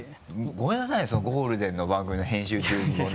ごめんなさいねそのゴールデンの番組の編集中にこんな。